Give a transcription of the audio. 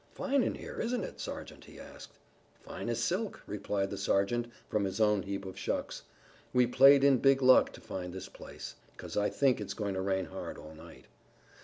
"Fine in here, isn't it, Sergeant?" he said. "Fine as silk," replied the sergeant from his own heap of shucks. "We played in big luck to find this place, 'cause I think it's going to rain hard all night."